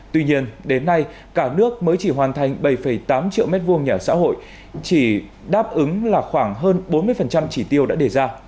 tuy nhiên đến nay cả nước mới chỉ hoàn thành bảy tám triệu m hai nhà ở xã hội chỉ đáp ứng là khoảng hơn bốn mươi chỉ tiêu đã đề ra